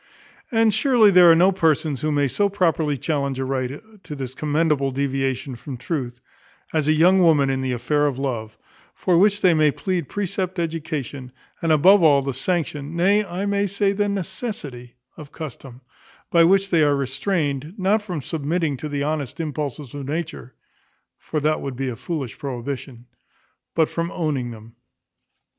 And surely there are no persons who may so properly challenge a right to this commendable deviation from truth, as young women in the affair of love; for which they may plead precept, education, and above all, the sanction, nay, I may say the necessity of custom, by which they are restrained, not from submitting to the honest impulses of nature (for that would be a foolish prohibition), but from owning them.